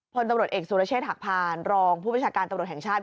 พลตำรวจเอกสุรเชษฐหักพานรองผู้บัญชาการตำรวจแห่งชาติ